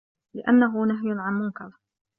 لِأَنَّهُ نَهْيٌ عَنْ مُنْكَرٍ